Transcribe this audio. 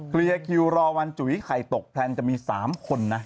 เคลียร์คิวรอวันจุ๋ยไข่ตกแพลนจะมี๓คนนะ